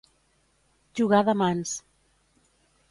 Jugar de mans.